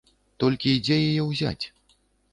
Толькі дзе яе ўзяць?